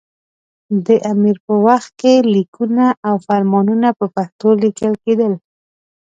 دې امیر په وخت کې لیکونه او فرمانونه په پښتو لیکل کېدل.